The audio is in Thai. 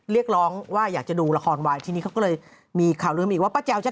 เรียกร้องว่าอยากจะดูละครวายทีนี้เขาก็เลยมีข่าวลืมอีกว่าป้าแจวจะ